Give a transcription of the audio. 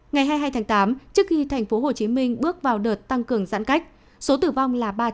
ngày hai mươi hai tám trước khi tp hcm bước vào đợt tăng cường giãn cách số tử vong là ba trăm bốn mươi